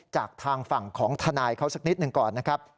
จากทางฝั่งของทนายเขาสักนิดหนึ่งก่อนนะครับ